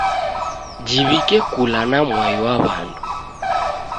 Jiwike kula na mwai wa w'andu.